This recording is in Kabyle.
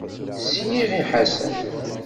Sliɣ i Ḥasan.